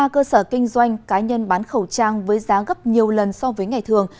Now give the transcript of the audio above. một mươi cơ sở kinh doanh cá nhân bán khẩu trang với giá gấp nhiều lần so với ngày thường